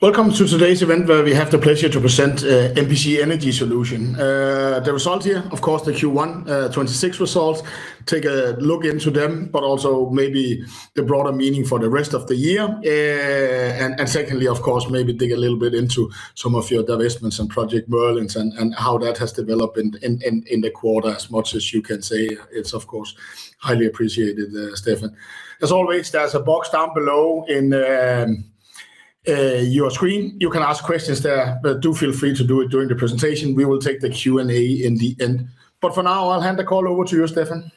Welcome to today's event where we have the pleasure to present MPC Energy Solutions. The result here, of course, the Q1 2026 results. Take a look into them, also maybe the broader meaning for the rest of the year. Secondly, of course, maybe dig a little bit into some of your divestments and Project Merlin and how that has developed in the quarter as much as you can say. It's, of course, highly appreciated, Stefan. As always, there's a box down below in your screen. You can ask questions there, do feel free to do it during the presentation. We will take the Q&A in the end. For now, I'll hand the call over to you, Stefan.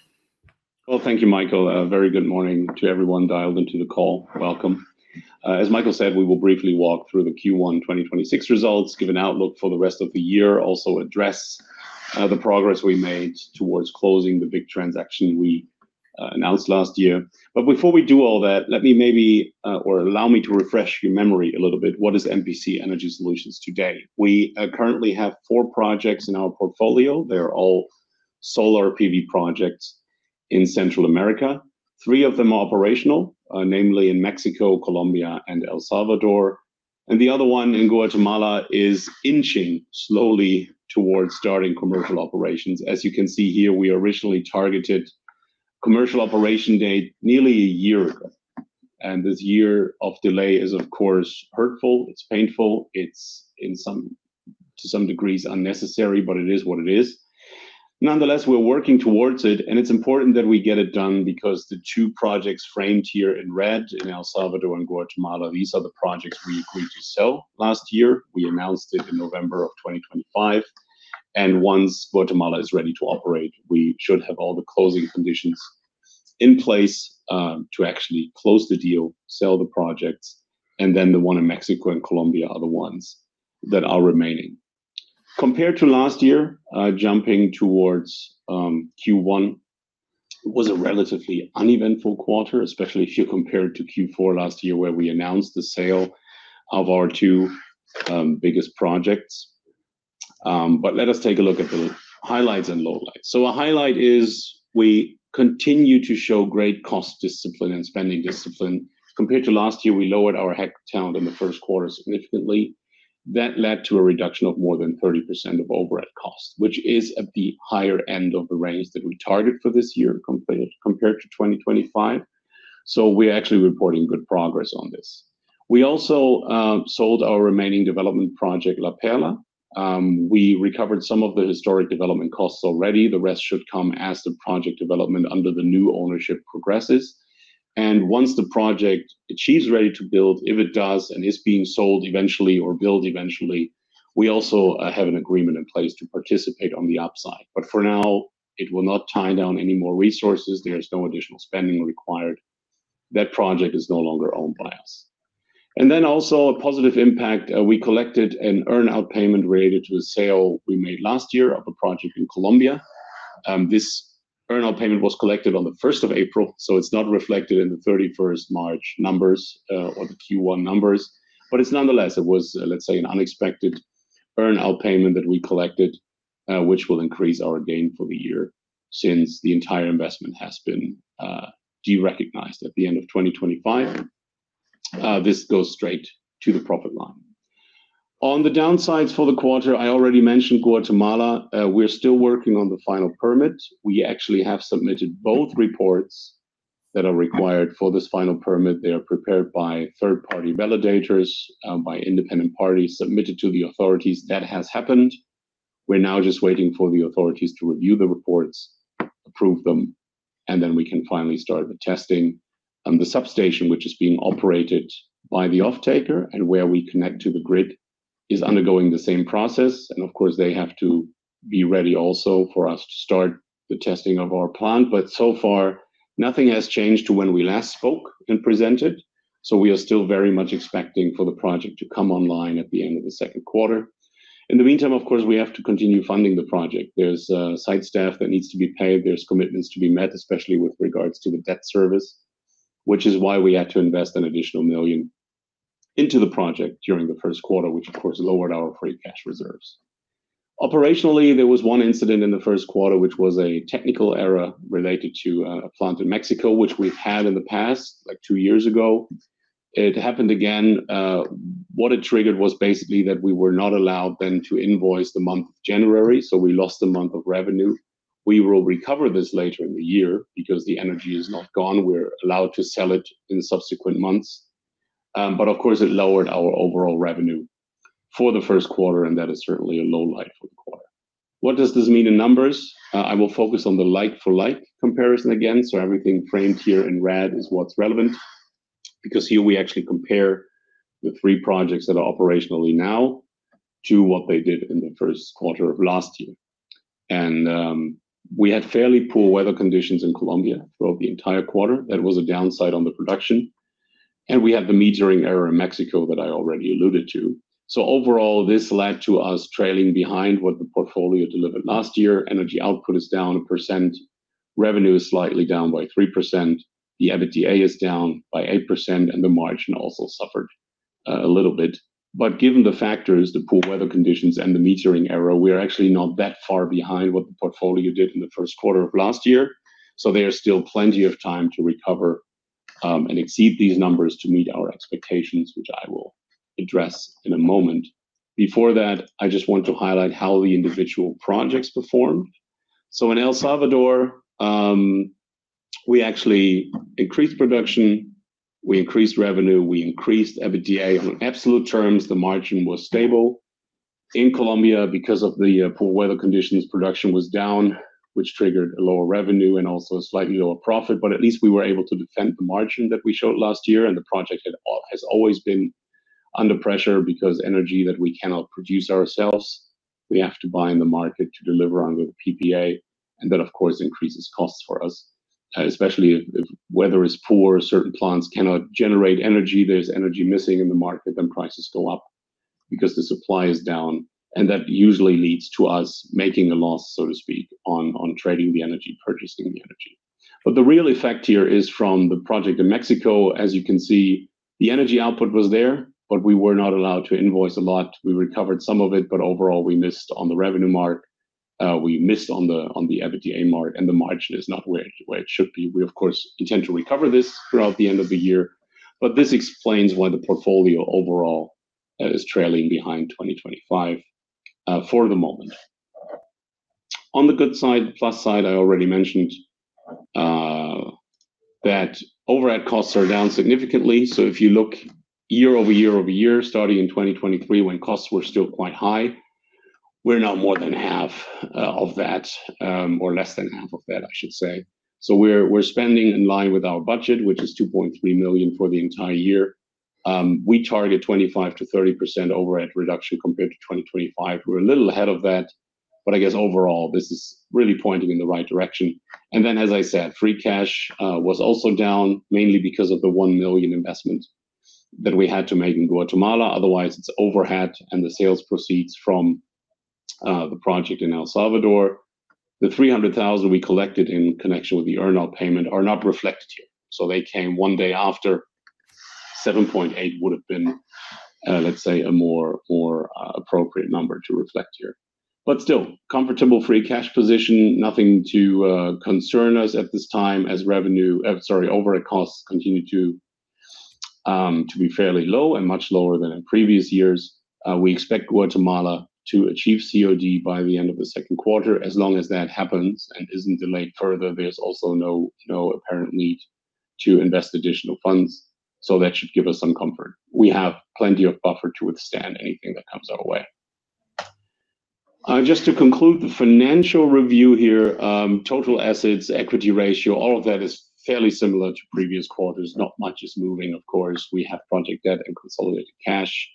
Well, thank you, Michael. A very good morning to everyone dialed into the call. Welcome. As Michael said, we will briefly walk through the Q1 2026 results, give an outlook for the rest of the year, also address the progress we made towards closing the big transaction we announced last year. Before we do all that, let me maybe, or allow me to refresh your memory a little bit. What is MPC Energy Solutions today? We currently have four projects in our portfolio. They're all solar PV projects in Central America. Three of them are operational, namely in Mexico, Colombia and El Salvador. The other one in Guatemala is inching slowly towards starting commercial operations. As you can see here, we originally targeted commercial operation date nearly a year ago. This year of delay is, of course, hurtful, it's painful, it's to some degree unnecessary, but it is what it is. Nonetheless, we're working towards it, and it's important that we get it done because the two projects framed here in red, in El Salvador and Guatemala, these are the projects we agreed to sell last year. We announced it in November 2025. Once Guatemala is ready to operate, we should have all the closing conditions in place to actually close the deal, sell the projects, and then the one in Mexico and Colombia are the ones that are remaining. Compared to last year, jumping towards Q1, it was a relatively uneventful quarter, especially if you compare it to Q4 last year, where we announced the sale of our two biggest projects. Let us take a look at the highlights and lowlights. A highlight is we continue to show great cost discipline and spending discipline. Compared to last year, we lowered our head count in the first quarter significantly. That led to a reduction of more than 30% of overhead cost, which is at the higher end of the range that we targeted for this year compared to 2025. We're actually reporting good progress on this. We also sold our remaining development project, La Perla. We recovered some of the historic development costs already. The rest should come as the project development under the new ownership progresses. Once the project achieves ready to build, if it does and is being sold eventually or built eventually, we also have an agreement in place to participate on the upside. For now, it will not tie down any more resources. There is no additional spending required. That project is no longer owned by us. Also a positive impact, we collected an earn-out payment related to a sale we made last year of a project in Colombia. This earn-out payment was collected on April 1, so it's not reflected in the March 31 numbers or the Q1 numbers. It's nonetheless, it was, let's say, an unexpected earn-out payment that we collected, which will increase our gain for the year since the entire investment has been derecognized at the end of 2025. This goes straight to the profit line. On the downsides for the quarter, I already mentioned Guatemala. We're still working on the final permit. We actually have submitted both reports that are required for this final permit. They are prepared by third-party validators, by independent parties, submitted to the authorities. That has happened. We're now just waiting for the authorities to review the reports, approve them, then we can finally start the testing. The substation, which is being operated by the offtaker and where we connect to the grid, is undergoing the same process. Of course, they have to be ready also for us to start the testing of our plant. So far, nothing has changed to when we last spoke and presented, so we are still very much expecting for the project to come online at the end of the second quarter. In the meantime, of course, we have to continue funding the project. There's site staff that needs to be paid. There's commitments to be met, especially with regards to the debt service, which is why we had to invest an additional $1 million into the project during the first quarter, which of course lowered our free cash reserves. Operationally, there was one incident in the first quarter, which was a technical error related to a plant in Mexico, which we've had in the past, like two years ago. It happened again. What it triggered was basically that we were not allowed then to invoice the month of January, so we lost a month of revenue. We will recover this later in the year because the energy is not gone. We're allowed to sell it in subsequent months. Of course, it lowered our overall revenue for the first quarter, and that is certainly a low light for the quarter. What does this mean in numbers? I will focus on the like for like comparison again. Everything framed here in red is what's relevant, because here we actually compare the three projects that are operationally now to what they did in the first quarter of last year. We had fairly poor weather conditions in Colombia throughout the entire quarter. That was a downside on the production. We had the metering error in Mexico that I already alluded to. Overall, this led to us trailing behind what the portfolio delivered last year. Energy output is down 1%. Revenue is slightly down by 3%. The EBITDA is down by 8%, and the margin also suffered a little bit. Given the factors, the poor weather conditions and the metering error, we are actually not that far behind what the portfolio did in the first quarter of last year. There is still plenty of time to recover and exceed these numbers to meet our expectations, which I will address in a moment. Before that, I just want to highlight how the individual projects performed. In El Salvador, we actually increased production, we increased revenue, we increased EBITDA. In absolute terms, the margin was stable. In Colombia, because of the poor weather conditions, production was down, which triggered a lower revenue and also a slightly lower profit. At least we were able to defend the margin that we showed last year, and the project has always been under pressure because energy that we cannot produce ourselves, we have to buy in the market to deliver on the PPA, and that of course increases costs for us. Especially if weather is poor, certain plants cannot generate energy, there's energy missing in the market, then prices go up because the supply is down. That usually leads to us making a loss, so to speak, on trading the energy, purchasing the energy. The real effect here is from the project in Mexico. As you can see, the energy output was there, but we were not allowed to invoice a lot. We recovered some of it, but overall, we missed on the revenue mark. We missed on the EBITDA mark, and the margin is not where it should be. We of course intend to recover this throughout the end of the year, but this explains why the portfolio overall is trailing behind 2025 for the moment. On the good side, plus side, I already mentioned that overhead costs are down significantly. If you look year over year over year, starting in 2023 when costs were still quite high, we're now more than half of that, or less than half of that, I should say. We're spending in line with our budget, which is $2.3 million for the entire year. We target 25%-30% overhead reduction compared to 2025. We're a little ahead of that, but I guess overall, this is really pointing in the right direction. As I said, free cash was also down, mainly because of the $1 million investment that we had to make in Guatemala. Otherwise, it's overhead and the sales proceeds from the project in El Salvador. The $300,000 we collected in connection with the earnout payment are not reflected here. They came one day after. $7.8 would have been, let's say, a more appropriate number to reflect here. Still, comfortable free cash position. Nothing to concern us at this time as sorry, overhead costs continue to be fairly low and much lower than in previous years. We expect Guatemala to achieve COD by the end of the second quarter. As long as that happens and isn't delayed further, there's also no apparent need to invest additional funds. That should give us some comfort. We have plenty of buffer to withstand anything that comes our way. Just to conclude the financial review here, total assets, equity ratio, all of that is fairly similar to previous quarters. Not much is moving, of course. We have project debt and consolidated cash,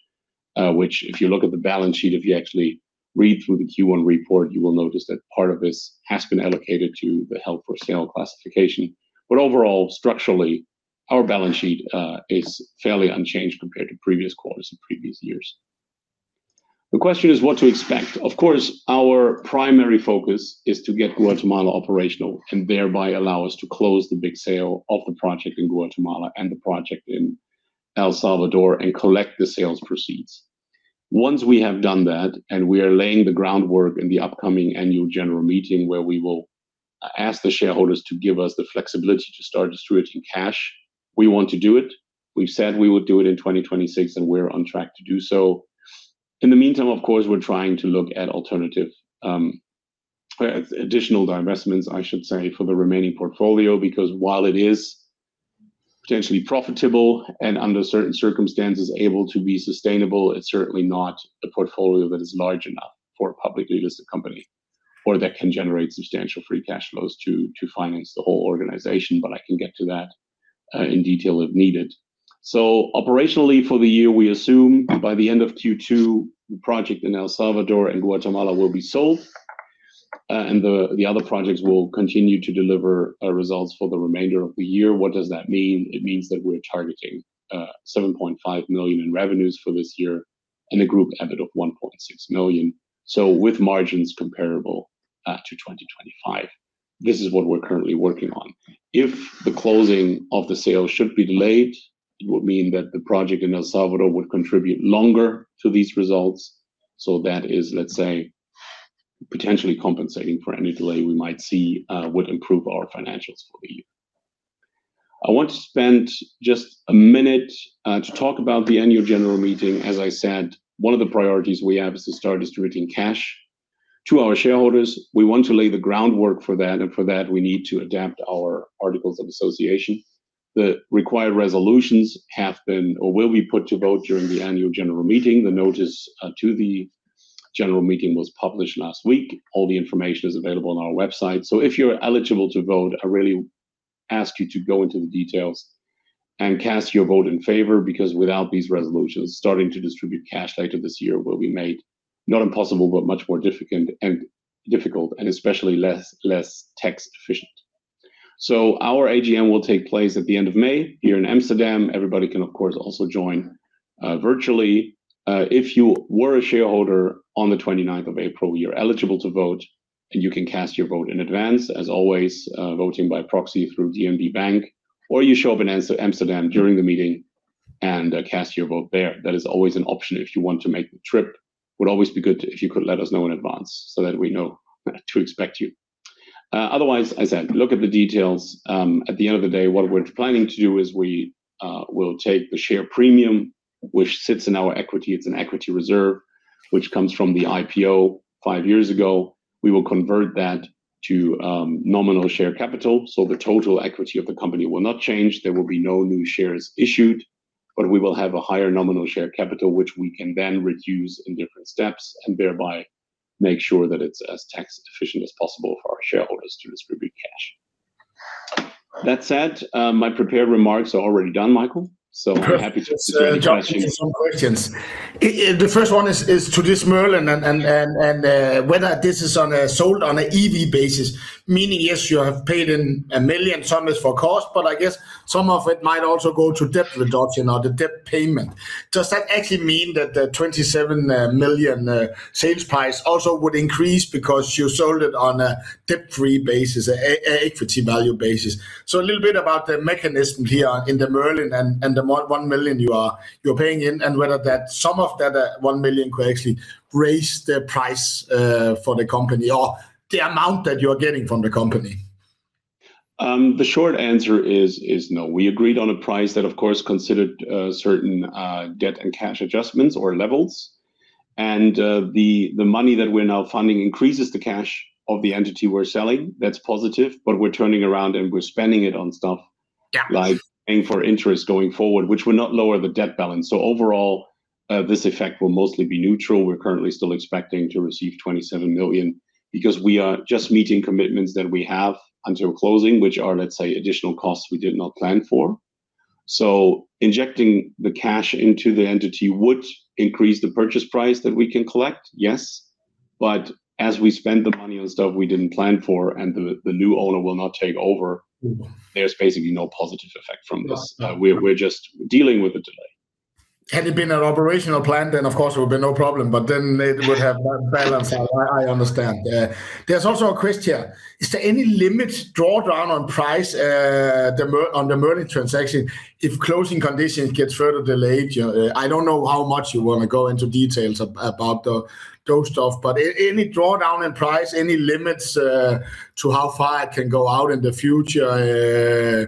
which if you look at the balance sheet, if you actually read through the Q1 report, you will notice that part of this has been allocated to the held-for-sale classification. Overall, structurally, our balance sheet is fairly unchanged compared to previous quarters and previous years. The question is what to expect. Of course, our primary focus is to get Guatemala operational and thereby allow us to close the big sale of the project in Guatemala and the project in El Salvador and collect the sales proceeds. Once we have done that, and we are laying the groundwork in the upcoming annual general meeting where we will ask the shareholders to give us the flexibility to start distributing cash, we want to do it. We've said we would do it in 2026, and we're on track to do so. In the meantime, of course, we're trying to look at alternative, additional divestments, I should say, for the remaining portfolio because while it is potentially profitable and under certain circumstances able to be sustainable, it's certainly not a portfolio that is large enough for a publicly listed company or that can generate substantial free cash flows to finance the whole organization. I can get to that in detail if needed. Operationally for the year, we assume by the end of Q2, the project in El Salvador and Guatemala will be sold, and the other projects will continue to deliver results for the remainder of the year. What does that mean? It means that we're targeting $7.5 million in revenues for this year and a group EBIT of $1.6 million. With margins comparable to 2025. This is what we're currently working on. If the closing of the sale should be delayed, it would mean that the project in El Salvador would contribute longer to these results. That is, let's say, potentially compensating for any delay we might see, would improve our financials for the year. I want to spend just a minute to talk about the annual general meeting. As I said, one of the priorities we have is to start distributing cash to our shareholders. We want to lay the groundwork for that, and for that, we need to adapt our articles of association. The required resolutions have been or will be put to vote during the annual general meeting. The notice to the general meeting was published last week. All the information is available on our website. If you're eligible to vote, I really ask you to go into the details and cast your vote in favor, because without these resolutions, starting to distribute cash later this year will be made not impossible, but much more difficult and especially less tax efficient. Our AGM will take place at the end of May here in Amsterdam. Everybody can of course also join virtually. If you were a shareholder on the 29th of April, you're eligible to vote, and you can cast your vote in advance, as always, voting by proxy through DNB Bank, or you show up in Amsterdam during the meeting and cast your vote there. That is always an option if you want to make the trip. Would always be good if you could let us know in advance so that we know to expect you. Otherwise, as I said, look at the details. At the end of the day, what we're planning to do is we will take the share premium which sits in our equity, it's an equity reserve, which comes from the IPO five years ago. We will convert that to nominal share capital. The total equity of the company will not change, there will be no new shares issued, but we will have a higher nominal share capital, which we can then reduce in different steps and thereby make sure that it's as tax efficient as possible for our shareholders to distribute cash. That said, my prepared remarks are already done, Michael, so I'm happy to answer any questions. Perfect. Let's jump into some questions. The first one is to this Project Merlin and whether this is sold on a EV basis, meaning, yes, you have paid in $1 million, some is for cost, but I guess some of it might also go to debt reduction or the debt payment. Does that actually mean that the $27 million sales price also would increase because you sold it on a debt-free basis, a equity value basis? A little bit about the mechanism here in the Project Merlin and the $1 million you are, you're paying in, and whether that some of that $1 million could actually raise the price for the company or the amount that you're getting from the company. The short answer is no. We agreed on a price that, of course, considered certain debt and cash adjustments or levels. The money that we're now funding increases the cash of the entity we're selling. That's positive, but we're turning around and we're spending it on stuff. Yeah like paying for interest going forward, which will not lower the debt balance. Overall, this effect will mostly be neutral. We're currently still expecting to receive $27 million because we are just meeting commitments that we have until closing, which are, let's say, additional costs we did not plan for. Injecting the cash into the entity would increase the purchase price that we can collect, yes. As we spend the money on stuff we didn't plan for and the new owner will not take over. There's basically no positive effect from this. Gotcha. We're just dealing with the delay. Had it been an operational plan, then of course it would have been no problem, but then it would have- unbalanced. I understand. There's also a question, is there any limits drawdown on price on the Merlin transaction if closing conditions gets further delayed? I don't know how much you wanna go into details about the, those stuff, but any drawdown in price, any limits to how far it can go out in the future? Okay.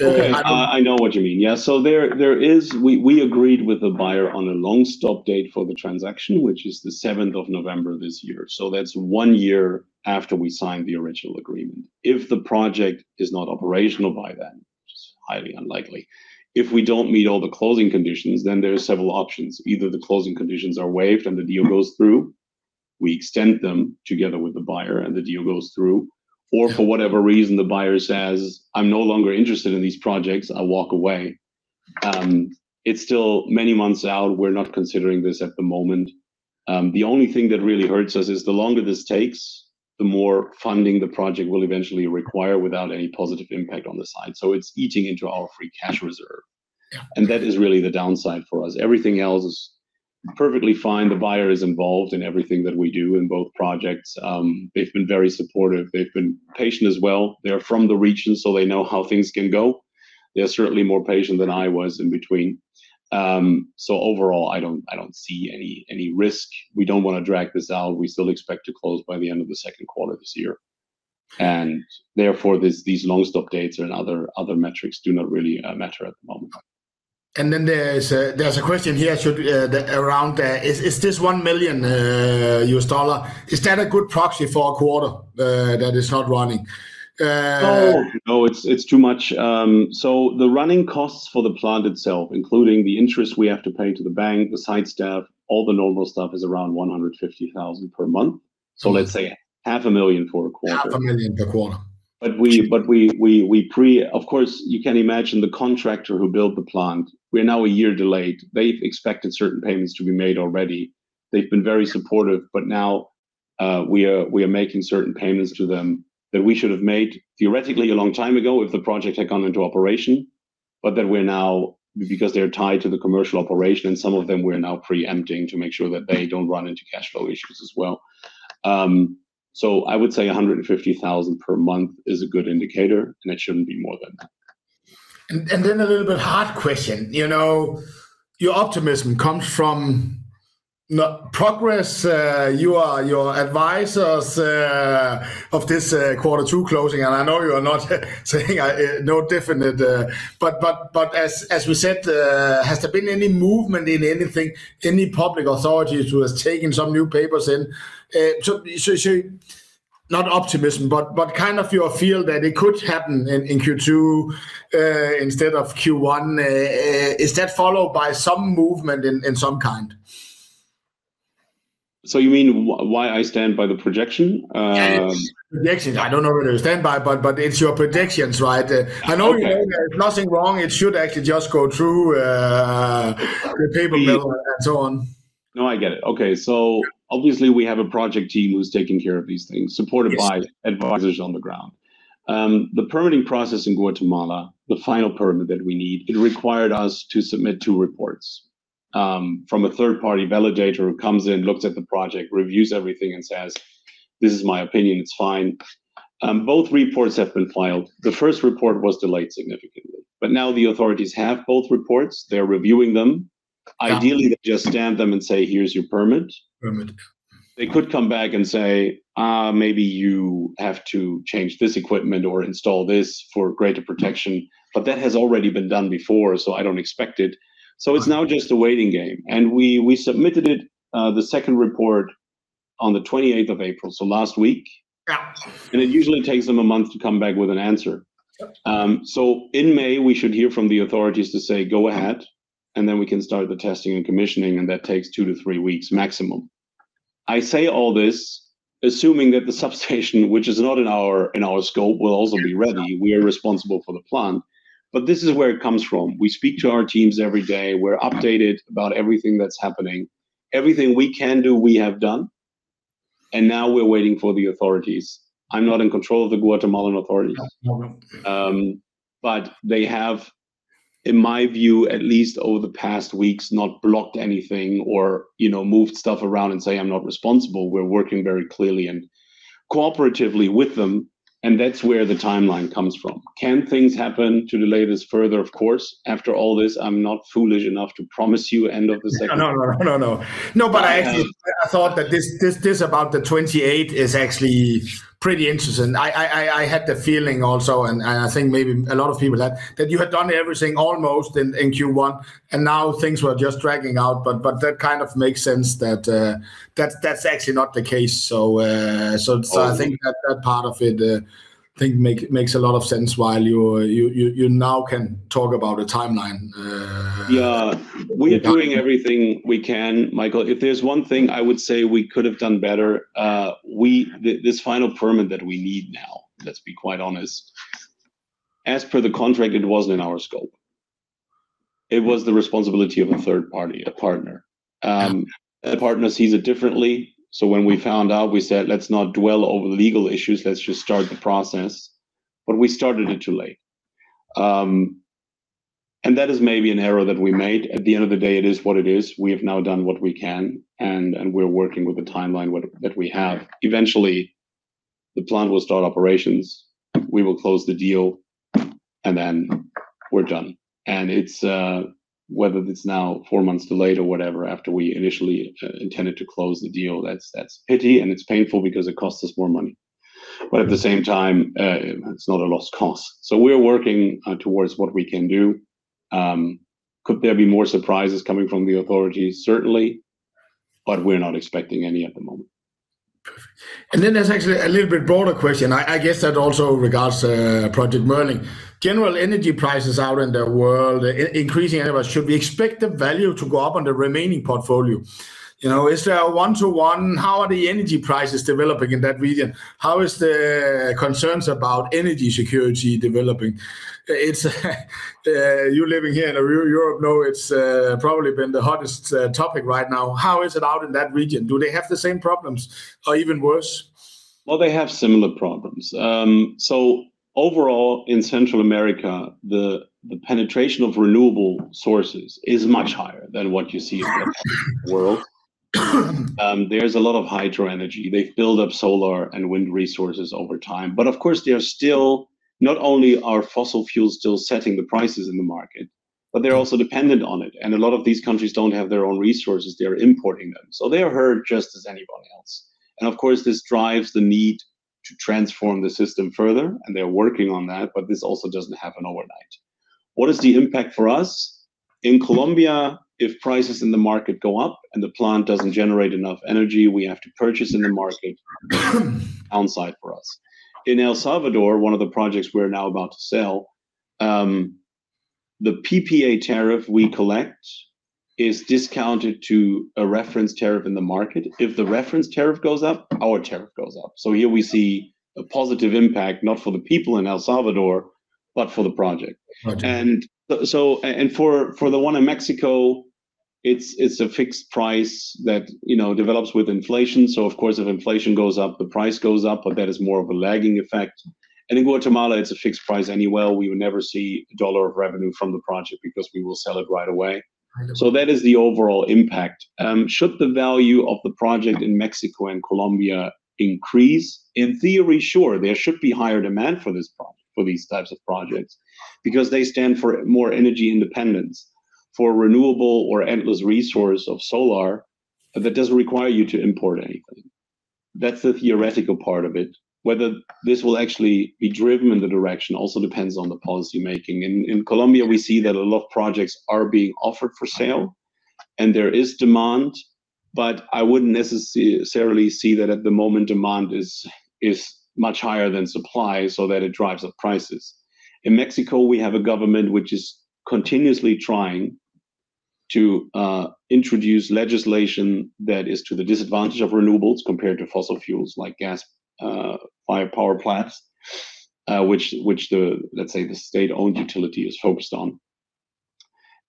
I know what you mean. Yeah. We agreed with the buyer on a long-stop date for the transaction, which is the 7th of November this year. That's one year after we signed the original agreement. If the project is not operational by then, which is highly unlikely, if we don't meet all the closing conditions, then there are several options. Either the closing conditions are waived and the deal goes through, we extend them together with the buyer and the deal goes through, or for whatever reason, the buyer says, "I'm no longer interested in these projects, I walk away." It's still many months out. We're not considering this at the moment. The only thing that really hurts us is the longer this takes, the more funding the project will eventually require without any positive impact on the side. It's eating into our free cash reserve. Yeah. That is really the downside for us. Everything else is perfectly fine. The buyer is involved in everything that we do in both projects. They've been very supportive. They've been patient as well. They are from the region, so they know how things can go. They're certainly more patient than I was in between. Overall, I don't see any risk. We don't wanna drag this out. We still expect to close by the end of the second quarter this year. Therefore, these long-stop dates and other metrics do not really matter at the moment. There's a question here around, is this $1 million, is that a good proxy for a quarter that is not running? No. No, it's too much. The running costs for the plant itself, including the interest we have to pay to the bank, the site staff, all the normal stuff, is around $150,000 per month. Let's say half a million dollars for a quarter. $500,000 per quarter. Of course, you can imagine the contractor who built the plant, we're now a year delayed. They've expected certain payments to be made already. They've been very supportive, now we are making certain payments to them that we should have made theoretically a long time ago if the project had gone into operation. We're now, because they're tied to the commercial operation and some of them we're now preempting to make sure that they don't run into cash flow issues as well. So I would say $150,000 per month is a good indicator, and it shouldn't be more than that. Then a little bit hard question. You know, your optimism comes from the progress, you are, your advisors, of this, quarter two closing, and I know you are not saying, no definite, but as we said, has there been any movement in anything, any public authorities who has taken some new papers in, to, so not optimism, but kind of your feel that it could happen in Q2, instead of Q1? Is that followed by some movement in some kind? You mean why I stand by the projection? Yes. Projections. I don't know whether you stand by, but it's your projections, right? Okay I know you know there's nothing wrong. It should actually just go through the paper mill. Yes So on. No, I get it. Okay. obviously we have a project team who's taking care of these things. Yes supported by advisors on the ground. The permitting process in Guatemala, the final permit that we need, it required us to submit two reports. From a third-party validator who comes in, looks at the project, reviews everything, and says, "This is my opinion. It's fine." Both reports have been filed. The first report was delayed significantly. Now the authorities have both reports. They're reviewing them. Yeah. Ideally, they just stamp them and say, here's your permit. Permit. They could come back and say, "maybe you have to change this equipment or install this for greater protection." That has already been done before, so I don't expect it. It's now just a waiting game, and we submitted it, the second report on the 28th of April. Last week. Yeah. It usually takes them a month to come back with an answer. Yep. In May, we should hear from the authorities to say, "Go ahead." Then we can start the testing and commissioning, and that takes two to three weeks maximum. I say all this assuming that the substation which is not in our scope, will also be ready. We are responsible for the plant. This is where it comes from. We speak to our teams every day. We're updated about everything that's happening. Everything we can do, we have done, and now we're waiting for the authorities. I'm not in control of the Guatemalan authorities. No. They have, in my view at least, over the past weeks not blocked anything or, you know, moved stuff around and say, "I'm not responsible." We're working very clearly and cooperatively with them, and that's where the timeline comes from. Can things happen to delay this further? Of course. After all this, I'm not foolish enough to promise you end of the second. No, no. No, no. But, I thought that this about the 28th is actually pretty interesting. I had the feeling also and I think maybe a lot of people had, that you had done everything almost in Q1, and now things were just dragging out. That kind of makes sense that's actually not the case. Oh I think that part of it makes a lot of sense while you now can talk about a timeline in public. We are doing everything we can, Michael. If there's one thing I would say we could have done better, this final permit that we need now, let's be quite honest, as per the contract, it wasn't in our scope. It was the responsibility of a third party, a partner. That partner sees it differently. When we found out, we said, "Let's not dwell over the legal issues. Let's just start the process." We started it too late. That is maybe an error that we made. At the end of the day, it is what it is. We have now done what we can and we're working with the timeline that we have. Eventually, the plant will start operations. We will close the deal, we're done. Whether it's now four months delayed or whatever after we initially intended to close the deal, that's pity and it's painful because it costs us more money. At the same time, it's not a lost cause. We're working towards what we can do. Could there be more surprises coming from the authorities? Certainly. We're not expecting any at the moment. There's actually a little bit broader question. I guess that also regards Project Merlin. General energy prices out in the world increasing. Should we expect the value to go up on the remaining portfolio? You know, is there a one-to-one? How are the energy prices developing in that region? How is the concerns about energy security developing? It's You living here in Europe know it's probably been the hottest topic right now. How is it out in that region? Do they have the same problems, or even worse? Well, they have similar problems. Overall in Central America, the penetration of renewable sources is much higher than what you see in the rest of the world. There's a lot of hydro energy. They've built up solar and wind resources over time. Of course, they are still Not only are fossil fuels still setting the prices in the market, but they're also dependent on it, and a lot of these countries don't have their own resources. They are importing them. They are hurt just as anybody else. Of course, this drives the need to transform the system further, and they're working on that. This also doesn't happen overnight. What is the impact for us? In Colombia, if prices in the market go up and the plant doesn't generate enough energy, we have to purchase in the market. Downside for us. In El Salvador, one of the projects we're now about to sell, the PPA tariff we collect is discounted to a reference tariff in the market. If the reference tariff goes up, our tariff goes up. Here we see a positive impact, not for the people in El Salvador, but for the project. Okay. For the one in Mexico, it's a fixed price that, you know, develops with inflation. Of course, if inflation goes up, the price goes up, but that is more of a lagging effect. In Guatemala, it's a fixed price anyway. We will never see a dollar of revenue from the project because we will sell it right away. Right. That is the overall impact. Should the value of the project in Mexico and Colombia increase? In theory, sure, there should be higher demand for these types of projects, because they stand for more energy independence, for a renewable or endless resource of solar that doesn't require you to import anything. That's the theoretical part of it. Whether this will actually be driven in the direction also depends on the policy making. In Colombia, we see that a lot of projects are being offered for sale, and there is demand, but I wouldn't necessarily see that at the moment demand is much higher than supply so that it drives up prices. In Mexico, we have a government which is continuously trying to introduce legislation that is to the disadvantage of renewables compared to fossil fuels like gas-fired power plants, which the, let's say the state-owned utility is focused on.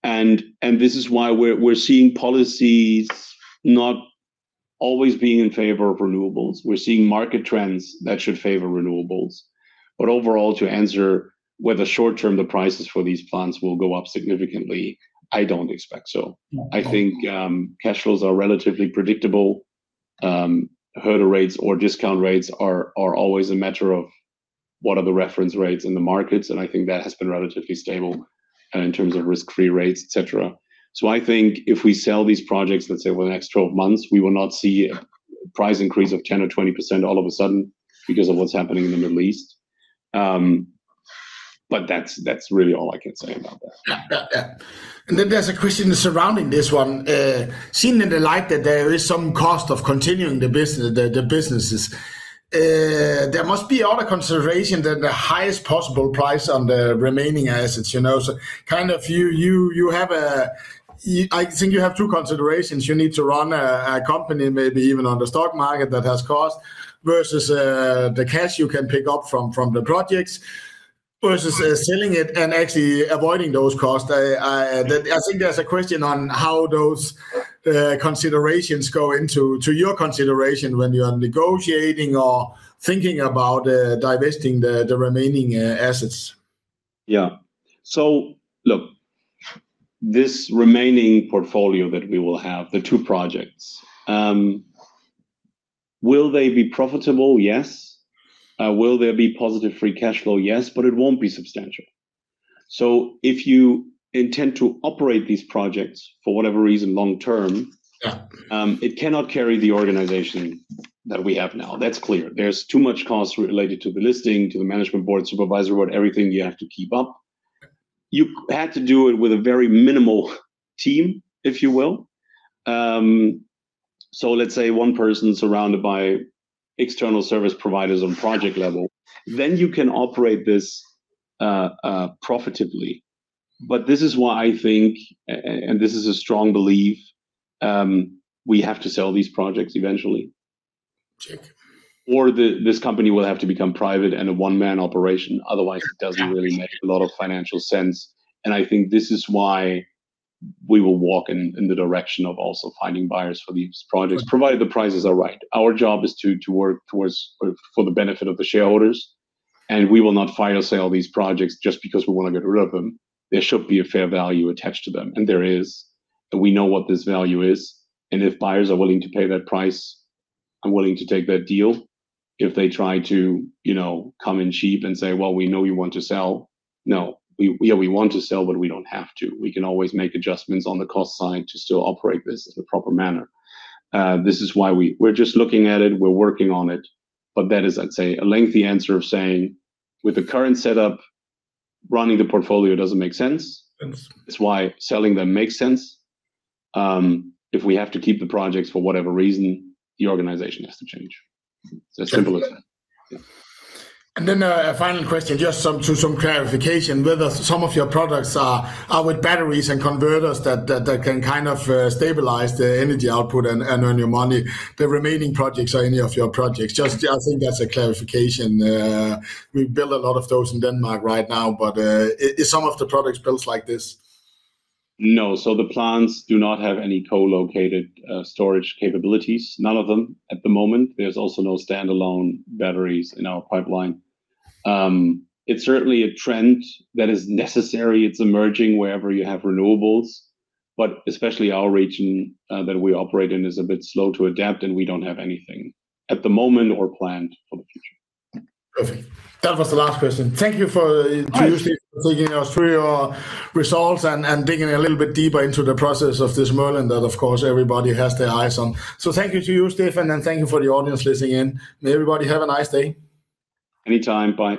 This is why we're seeing policies not always being in favor of renewables. We're seeing market trends that should favor renewables. Overall, to answer whether short-term the prices for these plants will go up significantly, I don't expect so. Yeah. I think cash flows are relatively predictable. Hurdle rates or discount rates are always a matter of what are the reference rates in the markets, and I think that has been relatively stable in terms of risk-free rates, et cetera. I think if we sell these projects, let's say, over the next 12 months, we will not see a price increase of 10% or 20% all of a sudden because of what's happening in the Middle East. That's really all I can say about that. There's a question surrounding this one. Seeing in the light that there is some cost of continuing the businesses, there must be other consideration than the highest possible price on the remaining assets, you know? Kind of I think you have two considerations. You need to run a company, maybe even on the stock market, that has cost versus the cash you can pick up from the projects. Right Versus, selling it and actually avoiding those costs. I think there's a question on how those considerations go into your consideration when you are negotiating or thinking about divesting the remaining assets. Yeah. Look, this remaining portfolio that we will have, the two projects, will they be profitable? Yes. Will there be positive free cash flow? Yes, but it won't be substantial. If you intend to operate these projects. Yeah it cannot carry the organization that we have now. That's clear. There's too much costs related to the listing, to the management board, supervisor board, everything you have to keep up. You had to do it with a very minimal team, if you will. Let's say one person surrounded by external service providers on project level. Then you can operate this profitably. This is why I think, and this is a strong belief, we have to sell these projects eventually. Check. The, this company will have to become private and a one-man operation, otherwise it doesn't really make a lot of financial sense. I think this is why we will walk in the direction of also finding buyers for these projects, provided the prices are right. Our job is to work towards or for the benefit of the shareholders, and we will not fire sale these projects just because we want to get rid of them. There should be a fair value attached to them, and there is. We know what this value is, and if buyers are willing to pay that price, I'm willing to take that deal. If they try to, you know, come in cheap and say, "Well, we know you want to sell." No. We, yeah, we want to sell, but we don't have to. We can always make adjustments on the cost side to still operate this in the proper manner. This is why We're just looking at it. We're working on it. That is, I'd say, a lengthy answer of saying, with the current setup, running the portfolio doesn't make sense. Yes. It's why selling them makes sense. If we have to keep the projects for whatever reason, the organization has to change. It's as simple as that. Yeah. A final question, to some clarification: whether some of your products are with batteries and converters that can kind of stabilize the energy output and earn your money, the remaining projects or any of your projects? I think that's a clarification. We build a lot of those in Denmark right now, but, is some of the products built like this? No. The plants do not have any co-located storage capabilities, none of them at the moment. There's also no standalone batteries in our pipeline. It's certainly a trend that is necessary. It's emerging wherever you have renewables, but especially our region that we operate in is a bit slow to adapt, and we don't have anything at the moment or planned for the future. Perfect. That was the last question. Thank you for. All right. Taking us through your results and digging a little bit deeper into the process of this Merlin that, of course, everybody has their eyes on. Thank you to you, Stefan, and thank you for the audience listening in. May everybody have a nice day. Any time. Bye.